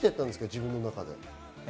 自分の中で。